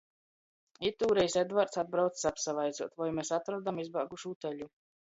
Itūreiz Edvarts atbraucs apsavaicuot, voi mes atrodom izbāgušū teļu...